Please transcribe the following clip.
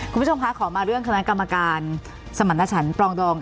คุณผู้ชมคะขอมาเรื่องคณะกรรมการสมรรถฉันปรองดอง